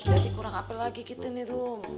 jadi kurang apa lagi kita nih rum